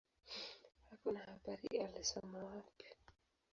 Hakuna habari alisoma wapi.